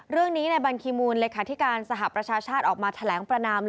เรื่องนี้ในบัญคีมูลเลขาธิการสหประชาชาติออกมาแถลงประนาม